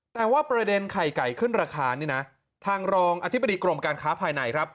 แต่ว่าประเด็นไข่ไก่ขึ้นราคานี่นะทางรองอธิบดีกรมการค้าภายในครับ